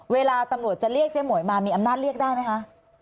เวลาตำรวจจะเรียกเจ๊หมวยมามีอำนาจเรียกได้ไหมคะ